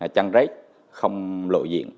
chăn rách không lội diện